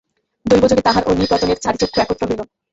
দৈবযোগে তাঁহার ও নৃপতনয়ের চারি চক্ষু একত্র হইল।